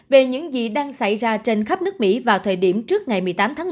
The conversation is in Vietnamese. về những gì đang xảy ra trên khắp nước mỹ vào thời điểm trước ngày một mươi tám tháng một